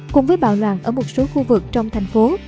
cùng với bạo loạn ở một số khu vực trong thành phố